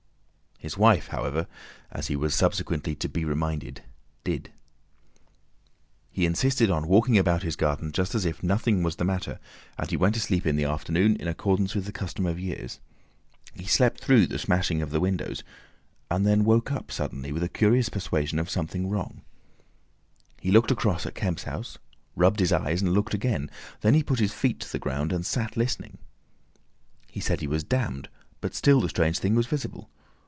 His wife, however, as he was subsequently to be reminded, did. He insisted upon walking about his garden just as if nothing was the matter, and he went to sleep in the afternoon in accordance with the custom of years. He slept through the smashing of the windows, and then woke up suddenly with a curious persuasion of something wrong. He looked across at Kemp's house, rubbed his eyes and looked again. Then he put his feet to the ground, and sat listening. He said he was damned, but still the strange thing was visible.